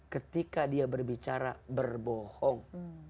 ketika dia berbicara berbohong